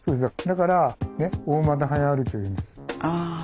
だから大股速歩きをいうんです。